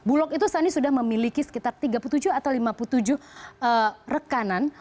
bulog itu saat ini sudah memiliki sekitar tiga puluh tujuh atau lima puluh tujuh rekanan